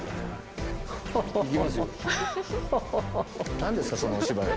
何ですかそのお芝居は。